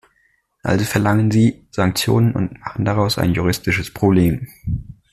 Also verlangen Sie Sanktionen und machen daraus ein juristisches Problem.